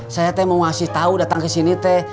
saya mau kasih tau datang kesini te